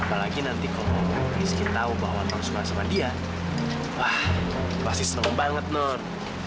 apalagi nanti kalau rizky tau bahwa non suka sama dia wah pasti seneng banget non